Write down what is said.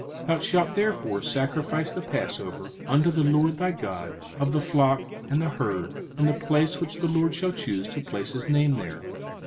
05:016:002 Thou shalt therefore sacrifice the passover unto the LORD thy God, of the flock and the herd, in the place which the LORD shall choose to place his name there.